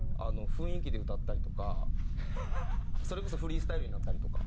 雰囲気で歌ったりとかそれこそフリースタイルになったりとか。